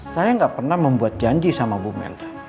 saya gak pernah membuat janji sama bu melda